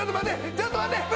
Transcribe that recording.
ちょっと待って！